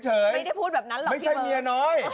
ไม่ได้พูดแบบนั้นหรอกพี่เบิร์น